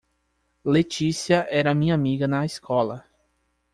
Letícia era minha amiga na escola.